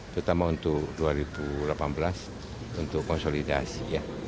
terutama untuk dua ribu delapan belas untuk konsolidasi